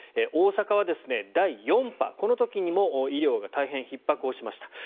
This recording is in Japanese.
大阪は第４波この時にも医療が大変ひっ迫しました。